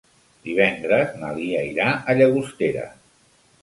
Divendres na Lia irà a Llagostera.